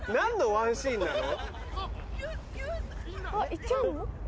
行っちゃうの？